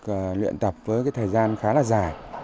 và luyện tập với cái thời gian khá là dài